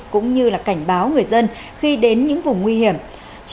cũng như là cảnh báo truy vết nhanh khoanh vùng cách ly sớm giám sát những địa điểm được cách ly